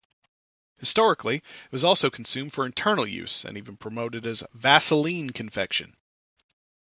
Historically, it was also consumed for internal use and even promoted as "Vaseline confection".